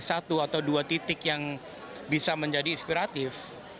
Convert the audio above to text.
satu atau dua titik yang bisa menjadi inspiratif